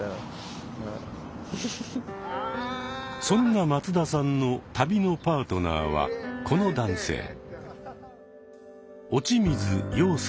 そんな松田さんの旅のパートナーはこの男性。